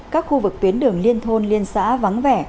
các khu vực tuyến đường liên thôn liên xã vắng vẻ